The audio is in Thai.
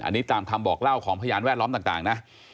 อันนี้ตามคำบอกเล่าของพยานแวดล้อมต่างนะ